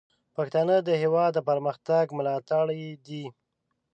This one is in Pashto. پښتانه د هیواد د پرمختګ ملاتړي دي.